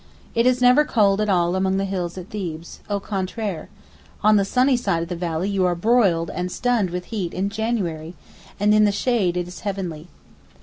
It is never cold at all among the hills at Thebes—au contraire. On the sunny side of the valley you are broiled and stunned with heat in January, and in the shade it is heavenly.